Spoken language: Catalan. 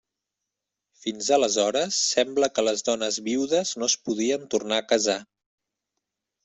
Fins aleshores sembla que les dones viudes no es podien tornar a casar.